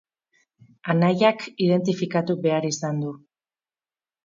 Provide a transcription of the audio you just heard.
Anaiak identifikatu behar izan du.